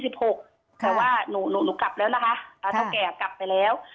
แต่ว่าหนูกลับแล้วนะคะเท่าแก่กลับไปแล้ว